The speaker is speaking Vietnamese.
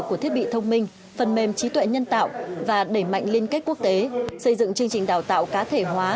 của thiết bị thông minh phần mềm trí tuệ nhân tạo và đẩy mạnh liên kết quốc tế xây dựng chương trình đào tạo cá thể hóa